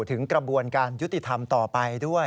ถึงกระบวนการยุติธรรมต่อไปด้วย